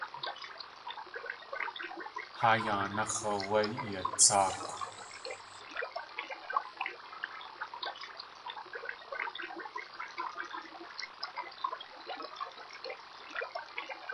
Haa yáanáx̲ áwé yatsáakw.